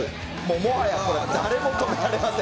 もはやこれ、だれも止められません。